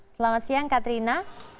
selamat siang katrina